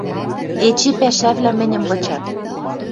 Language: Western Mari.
Эче пӓшӓвлӓ мӹньӹм вычат.